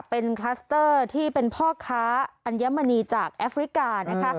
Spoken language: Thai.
เป็นคลัสเตอร์ที่เป็นพ่อค้าอัญมณีจากแอฟริกานะคะ